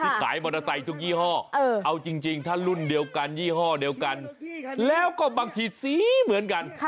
ขายมอเตอร์ไซค์ทุกยี่ห้อเอาจริงถ้ารุ่นเดียวกันยี่ห้อเดียวกันแล้วก็บางทีสีเหมือนกัน